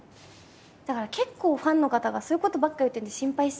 だから結構ファンの方がそういうことばっか言ってるんで心配してて。